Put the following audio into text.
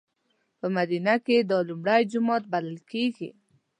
په مدینه کې دا لومړی جومات بللی کېږي.